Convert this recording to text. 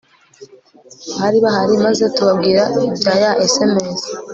bari bahari maze tubabwira ibya ya SMS